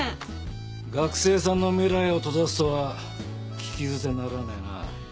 学生さんの未来を閉ざすとは聞き捨てならねえな。